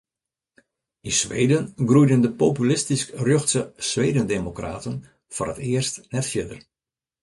Yn Sweden groeiden de populistysk-rjochtse Swedendemokraten foar it earst net fierder.